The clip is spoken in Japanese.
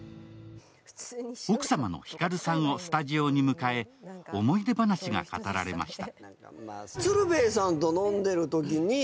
奥様の光さんをスタジオに迎え思い出話が語られました。